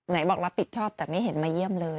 ไหนบอกรับผิดชอบแต่ไม่เห็นมาเยี่ยมเลย